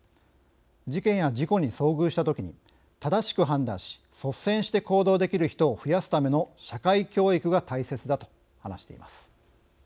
事件や事故に遭遇したときに正しく判断し率先して行動できる人を増やすための社会教育が大切だ」と話しています。